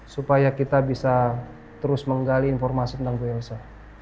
supaya kita bisa terus menggali informasi tentang bu elsa